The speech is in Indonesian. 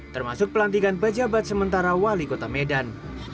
termasuk pelantikan pejabat sementara wali kota medan